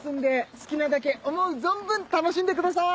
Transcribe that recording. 好きなだけ思う存分楽しんでください！